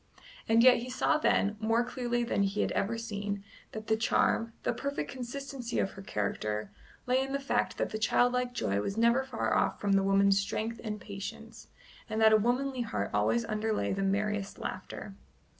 And yet he saw then, more clearly than he had ever seen, that the charm, the perfect consistency of her character, lay in the fact that the childlike joy was never far off from the woman's strength and patience, and that a womanly heart always underlay the merriest laughter.